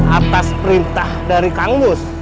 atas perintah dari kang gus